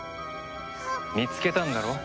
見つけたんだろ？